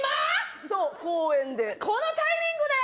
そう公園でこのタイミングで？